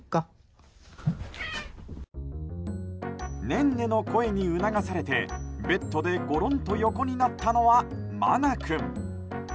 ねんねの声に促されてベッドでゴロンと横になったのはマナ君。